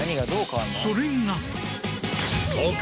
それが。